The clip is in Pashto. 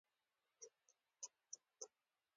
يو سبب به درله وکي.